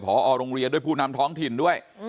พอโรงเรียนด้วยผู้นำท้องถิ่นด้วย